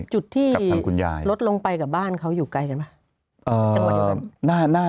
จุดที่รถลงไปกับบ้านเขาอยู่ไกลกันไหม